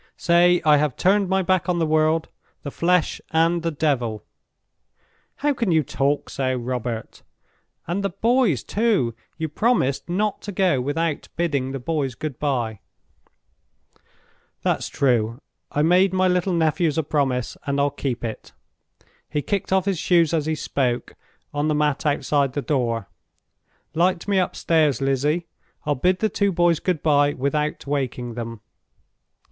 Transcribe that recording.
Say I have turned my back on the world, the flesh, and the devil." "How can you talk so, Robert! And the boys, too—you promised not to go without bidding the boys good by." "That's true. I made my little nephews a promise, and I'll keep it." He kicked off his shoes as he spoke, on the mat outside the door. "Light me upstairs, Lizzie; I'll bid the two boys good by without waking them."